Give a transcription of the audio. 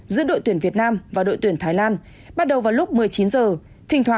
giữa đội tuyển việt nam và đội tuyển thái lan bắt đầu vào lúc một mươi chín h